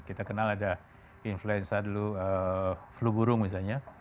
kita kenal ada influenza dulu flu burung misalnya